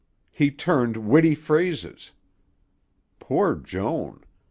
He turned witty phrases. Poor Joan!